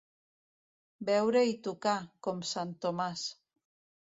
Veure i tocar, com sant Tomàs.